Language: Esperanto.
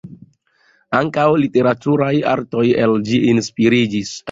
Ankaŭ literaturaj artoj el ĝi inspiriĝis.